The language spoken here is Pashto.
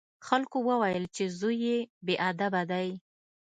خلکو وویل چې زوی یې بې ادبه دی.